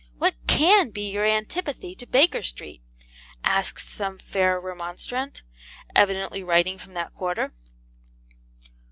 'What CAN be your antipathy to Baker Street?' asks some fair remonstrant, evidently writing from that quarter.